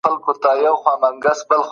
ټکنالوژي د انسان پر چلند ژوره اغېزه کوي.